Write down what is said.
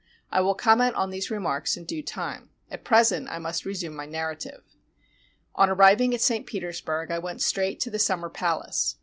I will comment on these remarks in due time. At present I must resume my narrative. On arriving at St. Petersburg I went straight to the Summer Palace.